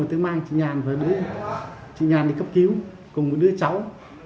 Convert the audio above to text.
tôi mang chị nhàn với chị nhàn đi cấp cứu cùng một đứa cháu